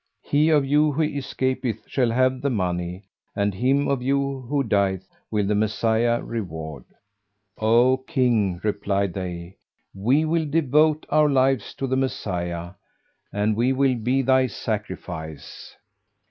[FN#407] He of you who escapeth shall have the money, and him of you who dieth will the Messiah reward." "O King," replied they, "we will devote our lives to the Messiah, and we will be thy sacrifice."